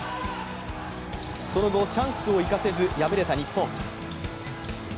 その後、チャンスを生かせず、敗れた日本。